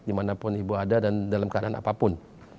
dimanapun ibu ada dan dalam keadaan apapun